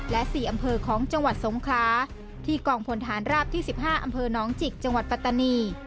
และ๔อำเภอของจังหวัดสงคราที่กองพลฐานราบที่๑๕อำเภอน้องจิกจังหวัดปัตตานี